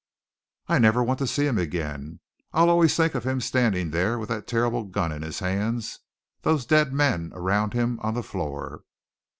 "I never want to see him again, I'll always think of him standing there with that terrible gun in his hands, those dead men around him on the floor!"